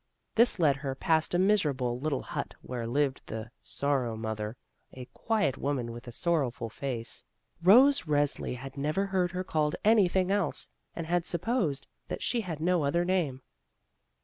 This led her past a miserable little hut where lived the "Sorrow mother," a quiet woman with a sorrowful face. Rose Resli had never heard her called anything else, and supposed that she had no other name.